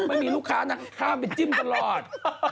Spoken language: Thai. ไม่มีลูกค้านะข้ามไปจิ้มตลอด